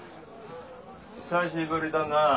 久しぶりだな中坊。